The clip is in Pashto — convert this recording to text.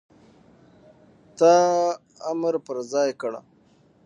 تا امر پر ځای کړ،